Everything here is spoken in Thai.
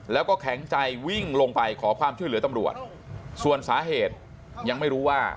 แล้วก็แข็งใจวิ่งลงไปขอความช่วยเหลือตำรวจส่วนสาเหตุยังไม่รู้ว่า